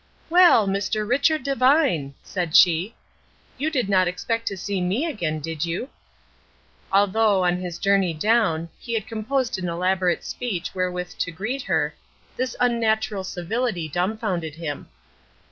"Well, Mr. Richard Devine," said she, "you did not expect to see me again, did you?" Although, on his journey down, he had composed an elaborate speech wherewith to greet her, this unnatural civility dumbfounded him.